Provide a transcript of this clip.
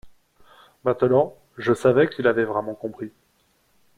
Maintenant je savais qu’il avait vraiment compris.